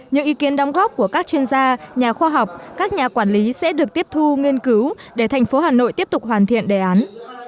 những ý kiến đóng góp của các chuyên gia nhà khoa học các nhà quản lý sẽ được tiếp thu nghiên cứu để thành phố hà nội tiếp tục hoàn thiện đề án